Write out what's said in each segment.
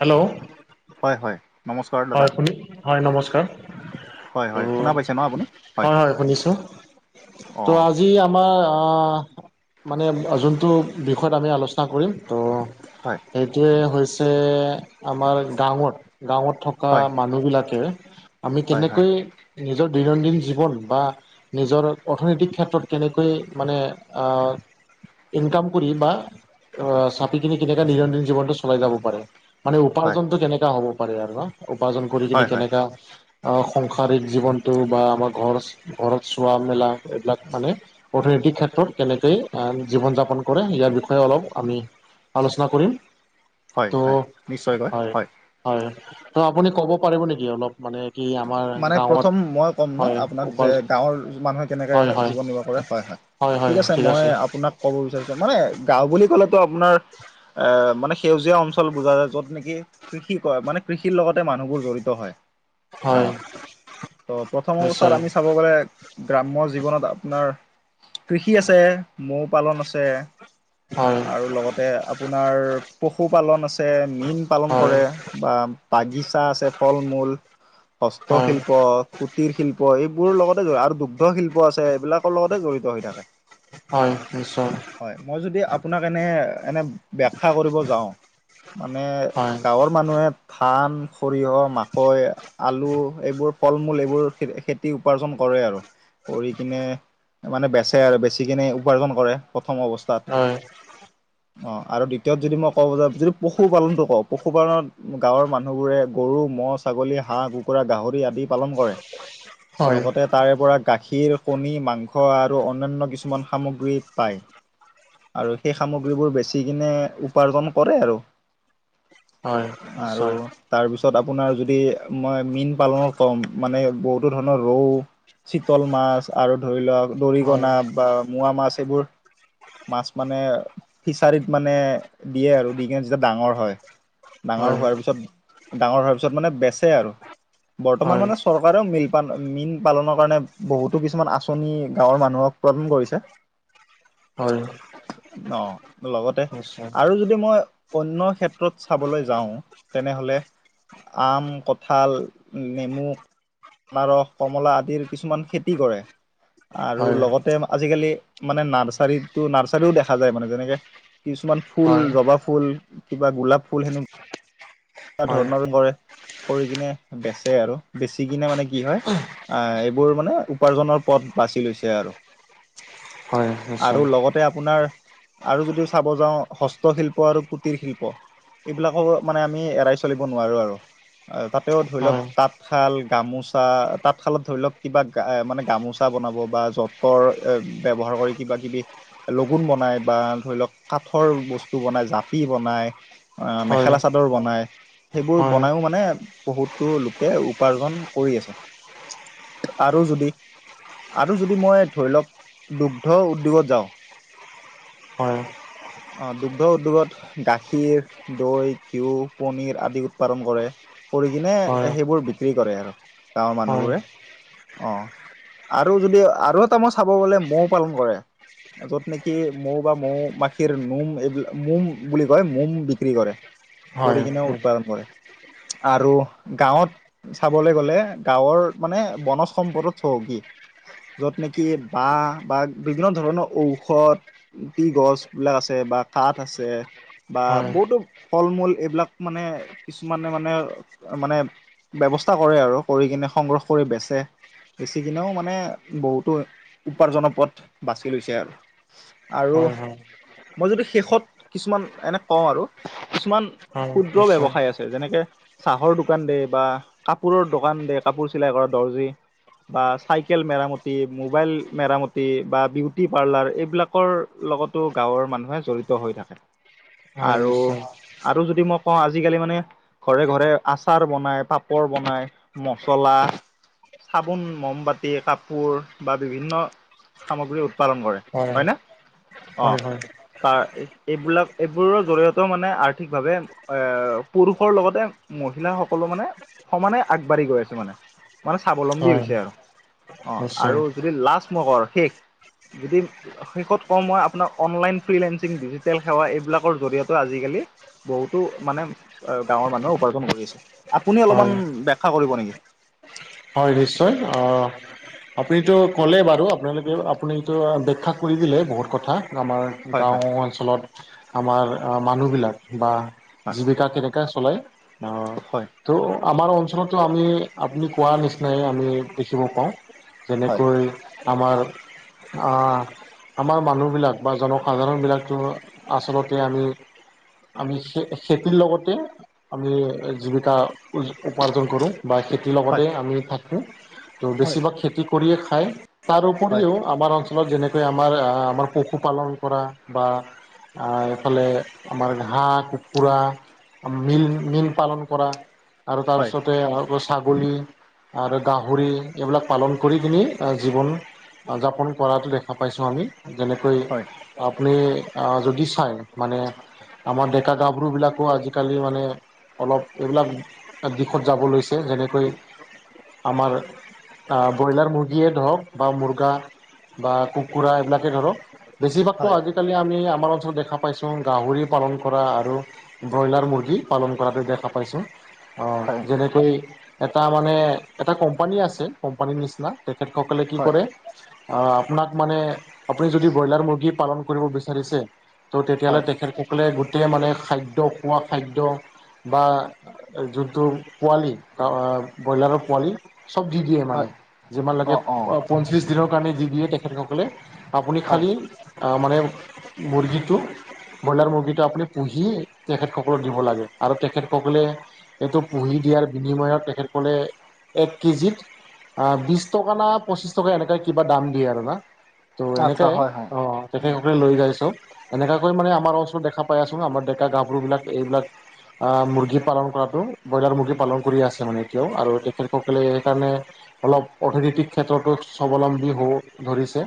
Hello হয় হয়। নমস্কাৰ দাদা হয় শুনি, হয় নমস্কাৰ। হয় তো হয় শুনা পাইছে ন আপুনি হয় হয় শুনিছো, ত' অঁ আ জি আমাৰ অঁ মানে যোনটো বিষয়ত আমি আলোচনা কৰিম ত' হয় সেইটোৱে হৈছে আমাৰ গাওঁত, গাওঁ থ কা হয় মানুহবিলাকে, আমি হয় হয় কেনেকৈ নিজৰ দৈনন্দিন জীৱন বা নিজৰ অৰ্থনৈতিক ক্ষেত্ৰত কেনেকৈ মানে অঁ ইনকাম কৰি বা অ চাপিকিনি কেনেকে দৈনিন্দিন জীৱনটো চলাই যাব পাৰে। মানে হয় উপাৰ্জনতটো কেনেকা হ'ব পাৰে আৰু ন উপাৰ্জন কৰি কিনে হয় হয় কেনেকা অঁ সংসাৰিক জীৱনটো বা আমাৰ ঘৰ ঘৰত চোৱা মেলা এইবিলাক মানে, অৰ্থনৈতিক ক্ষেত্ৰত কেনেকেই জীৱন যাপন কৰে ইয়াৰ বিষয়ে অলপ আমি আলোচনা কৰিম। হয় ত' হয় নিশ্চয়কৈ হয় হয়, ত' আপুনি ক'ব পাৰিব নেকি অলপ মানে কি আমাৰ মানে গাঁৱত প্ৰথম মই ক'ম ন, হয় আপোনাক যে উপাৰ্জ গাঁৱৰ মানুহে কেনেকে হয় হয় জীৱন নিৰ্বাহ কৰে হয় হয়। ঠিক আছে মই আপোনাক কব বিচাৰিছো মানে গাঁও বুলি কলেতো আপোনাৰ এ মানে সেউজীয়া অঞ্চল বুজা যায়, য'ত নেকি কৃষি কয় মানে কৃষিৰ লগতে মানুহবোৰ জড়িত হয়। হয় গাঁৱত, ত প্ৰথম নিশ্চয় অৱস্থাত আমি চাব গ'লে গ্ৰাম্য জীৱনত আপোনাৰ কৃষি আছে, মৌ পালন আছে। হয় আৰু লগতে আপোনাৰ পশুপালন আছে, মীন পালন হয় কৰে। বা বাগিচা আছে, ফল মূল হয় হস্তশিল্প কুটিৰ শিল্প এইবোৰৰ লগতে জড় আৰু দুগ্ধ শিল্প আছে এইবিলাকৰ লগতে জড়িত হৈ থাকে। হয় নি হয় মই যদি আপোনাক এনেই এনেই ব্যখ্যা কৰিব যাওঁ। মানে হয় গাঁৱৰ মানুহে ধান সৰিয়হ, মাকৈ, আলু এইবোৰ ফল মূল এইবোৰ খে তি উপাৰ্জন কৰে আৰু, কৰি কিনে মানে বেচে আৰু বেচিকিনে উপাৰ্জন কৰে। প্ৰথম অৱস্থাত। হয় অঁ আৰু দ্বিতীয়ত যদি মই কওঁ যে যদি পশুপালনটো কওঁ পশুপালনত গাঁৱৰ মানুহবোৰে গৰু, ম'হ, ছাগলী হাঁহ, কুকুৰা, গাহৰি আদি পালন কৰে হয় লগতে তাৰে পৰা গাখীৰ কণী মাংস আৰু অন্যান্য কিছুমান সামগ্ৰী পায়। আৰু সেই সামগ্ৰীবোৰ বেচি কিনে উপাৰ্জন কৰে আৰু। হয় আৰু নিশ্চয়। তাৰপিছত আপোনাৰ যদি মই মীন পালনত কম মানে বহুতো ধৰণৰ ৰৌ, চিতল মাছ আৰু ধৰি লওঁক হয় দৰিকণা বা মোৱা মাছ এইবোৰ মাছ মানে ফিছাৰীত মানে দিয়ে আৰু দি কিনে যেতিয়া ডাঙৰ হয। ডাঙৰ হয় হোৱাৰ পিছত ডাঙৰ হোৱাৰ পিছত মানে বে বেছে আৰু, বৰ্তমান হয় মানে চৰ কাৰেও মী মীন পালনৰ কাৰণে বহুতো কিছুমান আঁচনি গাঁৱৰ মানুহক প্ৰদান কৰিছে। হয় অঁ লগতে নিশ্চয় আৰু য দি মই অন্য ক্ষেত্ৰত চাবলে যাওঁ, তেনেহলে আম কঁ ঠাল, নেমু, আনাৰস, কমলা আদিৰ কিছুমান খেতি কৰে। আৰু হয় লগতে আজিকালি মানে নাৰ্চাৰিটো নাৰ্চাৰিও দেখা যায়, মানে যেনেকে কিছুমান ফুল হয় জবা ফুল কিবা গোলাপ ফুল হেনে হয় ধৰণৰ কৰে। কৰি কিনে বেচে আৰু বেচি কিনে মানে কি হয় আ এইবোৰ মানে উপাৰ্জনৰ পথ বাছি লৈছে আৰু হয় নিশ্চয় আৰু লগত তে আপোনাৰ আৰু যদি চাব যাওঁ হস্তশিল্প আৰু কুটিৰ শিল্প এইবিলাকো মানে আমি এৰাই চলিব নোৱাৰোঁ আৰু তাতেও ধৰি লওক হয় তাত তাঁতশাল গামোচা তাঁতশালত ধৰি লওক কিবা গা মানে গামোচা বনাব বা যঁ তৰ ব্যৱহাৰ কৰি কিবা কিবি লগুণ বনাই বা ধৰি লওক কাঠৰ বস্তু বনাই জাপি বনাই আ হয় মেখেলা চাদৰ বনায় সেইবোৰ হয় বনায়ো মানে বহুতো লোকে উপাৰ্জন কৰি আছে আৰু যদি আৰু যদি মই ধৰি লওক দুগ্ধ উদ্যোগত যাওঁ হয় অ দুগ্ধ উদ্যোগত গাখীৰ দৈ ঘিউ পনীৰ আদি উৎপাদন কৰে কৰি কিনে হয় হয় সেইবোৰ বিক্ৰী কৰে আৰু গাঁৱৰ মানুহবোৰে অ আৰু যদি আৰু এটা মই চাব গলে মৌ পালন কৰে য'ত নেকি মৌ বা মৌ মাখিৰ নোম এইবিলাক মোম বুলি কয় মোম বিক্ৰী কৰে হয় কৰি কিনে উৎপাদন কৰে আৰু গাঁৱত চাবলে গ'লে গাঁৱৰ মানে বনজ সম্পদত চহকী। য'ত নেকি বাঁহ বা বিভিন্ন ধৰণৰ ঔষধ দি গছ বিলাক আছে বা কাঠ আছে বা বহুতো ফল-মূল এইবিলাক মানে কিছুমান মানে মানে আৰু মানে ব্যৱস্থা কৰে আৰু কৰি কিনে সংগ্ৰহ কৰি বেচে। বেছি কিনেও মানে বহুতো উপাৰ্জনৰ পথ বাচি লৈছে আৰু। আৰু হয় হয়। মই যদি শেষত কিছুমান এনে কওঁ আৰু কিছুমান হয় ক্ষুদ্ৰ নিশ্চয় ব্যৱসায় আছে যেনেকে চাহৰ দোকান দে বা কাপোৰৰ দোকান দে, কাপোৰ চিলাই কৰা দৰ্জি বা চাইকেল মেৰামতি, মোবাইল মেৰামতি বা বিউটি পাৰ্লাৰ এইবিলা কৰ লগতো গাঁৱৰ মানুহে জড়িত হৈ থাকে। [unintelligible] আৰু নিশ্চয় আৰু যদি মই কওঁ আজি-কালি মানে ঘৰে ঘৰে আচাৰ বনাই, পাপৰ বনাই, মচলা চাবোন, মমবাতি, কাপোৰ বা বিভিন্ন সামগ্ৰী উৎপাদন কৰে। হয় নে? হয় হয় তাৰ এইবিলাক এইবোৰৰ জৰিয়তেও মানে আৰ্থিকভাৱে এ পুৰুষৰ লগতে মহিলাসকলো মানে সমানে আগবাঢ়ি গৈ আছে মানে। মানে স্বাৱলম্বী হয় হৈছে আৰু অহ ' নিশ্চয় আৰু যদি লাষ্ট [unintelligible] শেষ যদি শেষত কওঁ মই আপোনাক অনলাইন ফ্ৰিলেনসিং, ডিজিটেল সেৱা এইবিলাকৰ জৰিয়তেও আজি-কালি বহুতো মানে গাঁৱৰ মানুহে উপাৰ্জন কৰি আছে। আপুনি হয় অলপমান ব্যাখ্যা কৰিব নেকি হয় নিশ্চয়, অহ আপুনিতো ক'লে বাৰু আপোনালোকে আপুনিতো ব্যাখ্যা কৰি দিলে বহুত কথা। আমাৰ হয় গাঁও হয় অঞ্চলত আমাৰ মানুহবিলাক বা হয় জীৱিকা কেনেক চলাই, আহ হয় ত' আমাৰ অঞ্চলতো আমি আপুনি কোৱা নিচিনাই আমি দেখিব পাওঁ, হয় যেনেকৈ আমাৰ অহ আমাৰ মানুহবিলাক বা জনসাধাৰণবিলাকতো আচলতে আমি- আমি খে খেতিৰ লগতে আমি জীৱিকা উপাৰ্জন কৰোঁ। বা খেতিৰ লগতে আমি থাকোঁ, ত' হয় বেছিভাগ খেতি কৰিয়ে খায়, তাৰ হয় উপৰিও- আমাৰ অঞ্চলত যেনেকৈ আমাৰ আমাৰ পশুপালন কৰা বা- আহ এইফালে আমাৰ হাহঁ, কুকুৰা- মিল, মিল পালন কৰা আৰু হয় তাৰপিছতে আকৌ ছাগলী- আৰু গাহৰি এইবিলাক পালন কৰি কিনি জীৱন- যাপন কৰাটো দেখা পাইছোঁ আমি। যেনেকৈ হয় আপুনি যদি চায় মানে- আমাৰ ডেকা গাবৰুবিলাকো আজিকালি মানে অলপ এইবিলাক- দিশত যাব লৈছে, যেনেকৈ আমাৰ- আহ ব্ৰইলাৰ মুৰ্গীয়ে ধৰক বা মুৰ্গা বা কুকুৰা এইবিলাকেই ধৰক। হয় বেছিভাগতো হয় আজিকালি আমি আমাৰ অঞ্চলত দেখা পাইছোঁ গাহৰি পালন কৰা আৰু- ব্ৰইলাৰ মুৰ্গী পালন কৰাত দেখা পাইছোঁ। যেনেকৈ- তাৰ মানে এটা কোম্পানী আছে কোম্পানীৰ নিচিনা, তেখেতসকলে হয় কি হয় কৰে- অঁ আপোনাক মানে আপুনি যদি ব্ৰইলাৰ মুৰ্গী পালন কৰিব বিচাৰিছে- ত' তেতিয়াহ'লে হয় তেখেতসকলে গোটেই মানে খাদ্য খোৱা খাদ্য বা- যোনটো পোৱালি আহ - ব্ৰইলাৰৰ পোৱালি চব দি দিয়ে মানে হয় যিমান অঁ লৈকে- অঁ পঞ্চলিশ দিনৰ কাৰণে যি দিয়ে তেখেতসকলে, আপুনি হয় খালি মানে- মুৰ্গীটো। ব্ৰইলাৰ মুৰ্গীটো আপুনি পুহি তেখেতসকলক দিব লাগে আৰু তেখেতসকলে। সেইটো পুহি দিয়াৰ বিনিময়ত তেখেতসকলে এক কেজিত। অ বিশ টকা না পঁচিছ টকা এনেককা কিবা দাম দিয়ে আৰু না? ত' আচ্ছা এনেকে হয় হয় অ' তেখেতসকলে লৈ যাই চব। এনেকাকৈ মানে আমাৰ অঞ্চলত দেখা পাই আছোঁ আমাৰ ডেকা গাভৰুবিলাক এইবিলাক। মুৰ্গী পালন কৰাতো, ব্ৰইলাৰ মুৰ্গী পালন কৰি আছে মানে। আৰু তেখেতসকলে সেইকাৰণে। অলপ অৰ্থনৈতিক ক্ষেত্ৰতো স্বাৱলম্বী হ'ব ধৰিছে।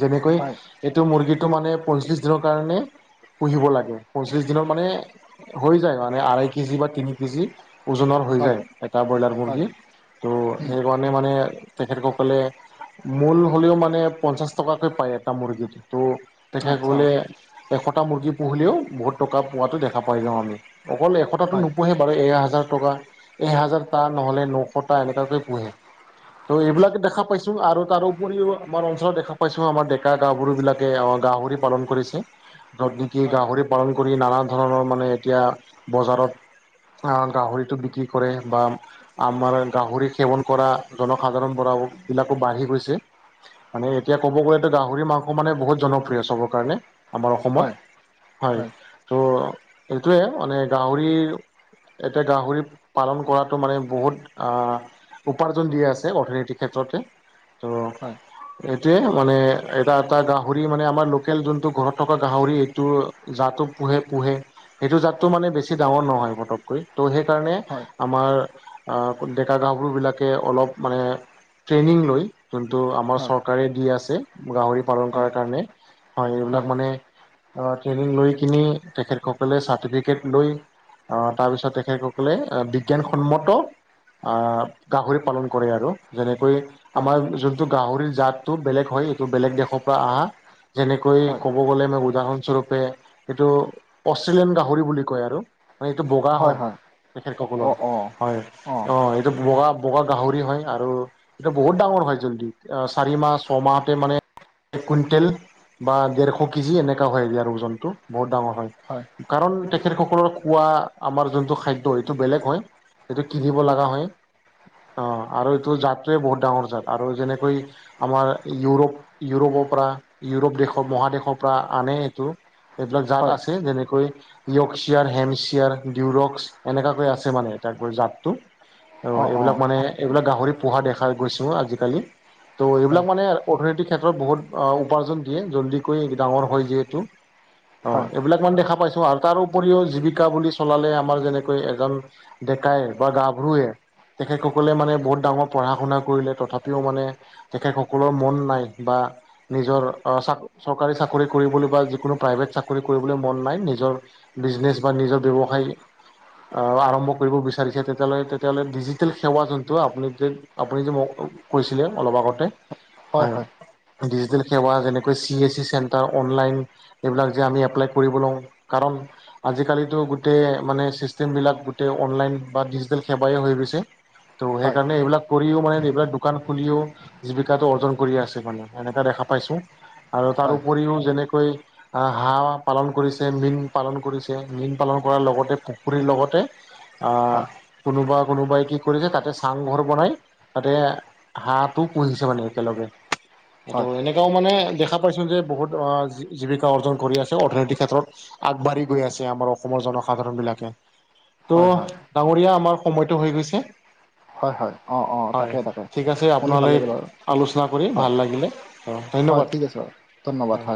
যেনেকৈ হয় এইটো মুৰ্গীটো মানে পঞ্চ্লিছ দিনৰ কাৰণে। পুহিব লাগে পঞ্চ্লিশ দিনৰত মানে। হৈ যায় মানে, আঢ়ৈ কেজি বা তিনি কেজি ওজনৰ হৈ হয় যায়। এটা ব্ৰইলাৰ হয় মুৰ্গী ত' সেইকাৰণে মানে তেখেতসকলে। মূল হ'লেও মানে পঞ্চাশ টকাকৈ পায় এটা মুৰ্গীটো ত' তেখেত আচ্ছা গলে। এশটা মুৰ্গী পুহিলেও বহুত টকা পোৱাতটো দেখা পাই যাওঁ আমি। অকল এশতটো হয় নোপোহে বাৰু এহাজাৰ টকা। এহেজাৰ টা নহ'লে নশটা এনেকাকৈ পোহে। ত' এইবিলাকে দেখা পাইছো, আৰু তাৰ উপৰিও আমাৰ অঞ্চলত দেখা পাইছো আমাৰ ডেকা গাভৰু বিলাক। গাহৰি পালন কৰিছে। য'ত নেকি হয় গাহৰি পালন কৰি নানা ধৰণৰ মানে এতিয়া বজাৰত। গাহৰিটো বিক্ৰী কৰে বা। আমাৰ গাহৰি সেৱন কৰা জনসাধাৰণ বোৰো বিলাকো বাঢ়ি গৈছে। মানে এতিয়া ক'ব গ'লেতো গাহৰি মাংস মানে বহুত জনপ্ৰিয় চবৰ কাৰণে আমাৰ হয় অসমত। হয়, ত' এইটোৱে মানে গাহৰি এতিয়া গাহৰি। পালন কৰাতটো মানে বহুত আহ, উপাৰ্জন দিয়া আছে অৰ্থনীতিক ক্ষেত্ৰতে। তই ৰ। এটোয়ে মানে এটা এটা গাহৰি মানে আমাৰ লোকেল যোনটো ঘৰত থকা গাহৰি এইটো জাটো পোহে পোহে সেইটো জাতটো মানে বেছি ডাঙৰ নহয় পটককৈ। তো সেইকাৰণে হয় হয় আমাৰ ডেকা গাভৰু বিলাকে অলপ মানে ট্ৰেইনিং লৈ যোনটো আমাৰ হয় চৰকাৰে দি আছে, গাহৰি পালন হয় কৰাৰ কাৰণে। হয়, এইবিলাক মানে ট্ৰেইনিং লৈ কিনি তেখেতসকলে চাৰ্টিফিকেট লৈ তাৰপিছত তেখেতসকলে বিজ্ঞানসন্মত গাহৰি পালন কৰে আৰু। যেনেকৈ হয় আমাৰ যোনটো গাহৰিৰ জাতটো বেলেগ হয়, এইটো বেলেগ দেশৰ পৰা আহা। যেনেকৈ হয়। ক'ব গ'লে মই উদাহৰণস্বৰূপে এইটো অষ্ট্ৰেলিয়ান গাহৰি বুলি কয় আৰু, মানে এইটো বগা হয়। অ তেখেতসকলৰ অ হয়, অ' এইটো বগা বগা গাহৰি হয় আৰু। এইটো বহুত ডাঙৰ হয় জল্দি, চাৰি মাহ ছমাহতে মানে এক কুইণ্টেল বা, ডৰশ কেজি এনেকা হয় ইয়াৰ ওজনটো, বহুত ডাঙৰ হয়। কাৰণ তেখেতসকলৰ খোৱা আমাৰ যোনটো খাদ্য। এইটো বেলেগ হয়, সেইটো কিনিব লগা হয়। অ' আৰু এইটো জাতটোয়ে বহুত ডাঙৰ জাত। আৰু যেনেকৈ আমাৰ ইউৰোপ ইউৰোপৰ পৰা ইউৰোপ দেশৰ মহাদেশৰ পৰা আনে এইটো। এইবিলাক জাত হয় আছে, যেনেকৈ য়ক্সিয়াৰ হেমচিয়াৰ ডউৰক্স এনেকুৱাকৈ আছে মানে জাতটো, অ' এইবিলাক মানে এইবিলাক গাহৰি পোহা দেখা গৈছোঁ আজিকালি, তো হয় এইবিলাক মানে অৰ্থনৈতিক ক্ষেত্ৰত বহুত উপাৰ্জন দিয়ে, জল্দিকৈ ডাঙৰ হয় যিহেতু। হয় অ'এইবিলাক ইমান দেখা পাইছো। আৰু তাৰ উপৰিও জীৱিকা বুলি চলালে আমাৰ যেনেক কৈয়ে এজন ডেকায় বা গাভৰুৱে তেখেতসকলে মানে বহুত ডাঙৰ পঢ়া শুনা কৰিলে, তথাপিও মানে তেখেতসকলৰ মন নাই বা। নিজৰ চৰকাৰী চাকৰি কৰিবলৈ বা যিকোনো প্ৰাইভেট চাকৰি কৰিবলৈ মন নাই। নিজৰ বিজনেছ বা নিজৰ ব্যৱসায় আৰম্ভ কৰিব বিচাৰিছে, তেতিয়াহ'লে তেতিয়াহ'লে ডিজিটেল সেৱা যোনটো আপুনি যে আপুনি যে মোক কৈছিলে অলপ আগতে হয়। ডিজিটেল সেৱা যেনেকৈ C S E centre online এইবিলাক যে আমি এপ্লাই কৰিব লওঁ, কাৰণ আজিকালিতো গোটেই মানে ছিষ্টেমবিলাক গোটেই অনলাইন বা ডিজিটেল সেৱাই হৈ গৈছে। ত' হয় সেইকাৰণে এইবিলাক কৰিও মানে এইবিলাক দোকান খুলিও জীৱিকাটো অৰ্জন কৰি আছে, মানে এনেকা দেখা পাইছো। আৰু তাৰ হয় উপৰিও যেনেক কৈ হাঁহ পালন কৰিছে মীন পালন কৰিছে। মীন পালন কৰাৰ লগতে পুখুৰীৰ লগতে হয় হয় কোনোবা কোনোবাই কি কৰিছে, তাতে চাংঘৰ বনাই তাতে হাঁহটো পুহিছে মানে একেলগে। হয় এইটো এনেকে তেওঁ মানে দেখা পাইছোঁ যে বহুত জীৱিকা অৰ্জন কৰি আছে। অৰ্থনৈতিক ক্ষেত্ৰত আগবাঢ়ি গৈ আছে আমাৰ অসমৰ জনসাধাৰণ বিলাকে। ত' হয় ডাঙৰীয়া আমাৰ সময়টো হৈ গৈছে। হয় হয় অ অ হয়। তাকে তাকে ঠিক আছে শুনি ভাল আপোনালৈ লাগিল বাৰু আলোচনা কৰি হয় ভাল লাগিলে। অ' হয় ধন্যবাদ, ঠিক আছে বাৰু ধন্যবাদ হয়।